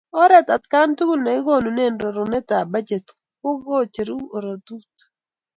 oret atkai tugul nekikonunen rorunetab bajet ko kecheru rotut